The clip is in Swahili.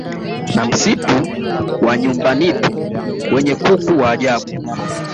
na Msitu wa Nyumbanitu wenye kuku wa ajabu